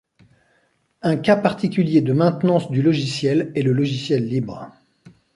Un cas particulier de maintenance du logiciel est le logiciel libre.